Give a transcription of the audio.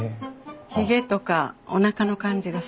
ひげとかおなかの感じがそっくり。